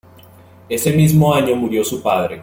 Ese mismo año murió su padre.